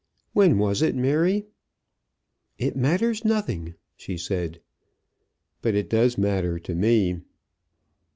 "When was it, Mary?" "It matters nothing," she said. "But it does matter to me."